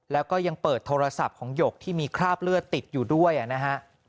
แล้วก็ยังเปิดโทรศัพท์ของหยกที่มีคราบเลือดติดอยู่ด้วยนะฮะ